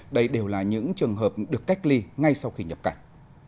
đây đều là những trường hợp được cách ly ngay sau khi nhập cảnh